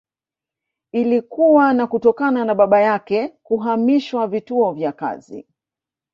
Ilikuwa ni kutokana na baba yake kuhamishwa vituo vya kazi